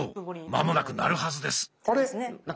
間もなく鳴るはずです。